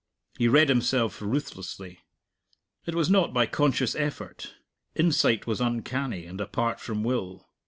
He read himself ruthlessly. It was not by conscious effort; insight was uncanny and apart from will.